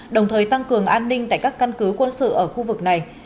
đồng thời tăng cường an ninh tại các căn cứ quân sự ở khu vực này